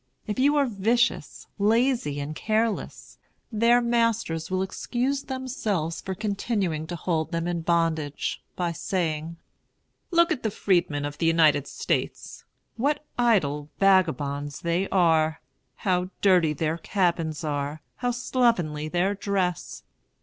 If you are vicious, lazy, and careless, their masters will excuse themselves for continuing to hold them in bondage, by saying: "Look at the freedmen of the United States! What idle vagabonds they are! How dirty their cabins are! How slovenly their dress!